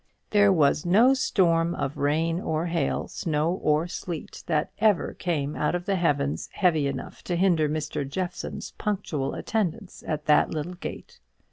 There was no storm of rain or hail, snow or sleet, that ever came out of the heavens, heavy enough to hinder Mr. Jeffson's punctual attendance at that little gate.